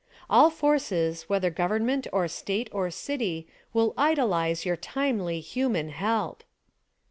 All forces, whether Government or State or City, will idolize your timely, human help.